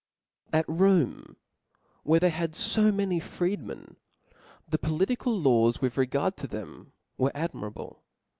chap. 17. At Rome, where they had fo many freedmen, the political laws with regard to them, were ad mirable.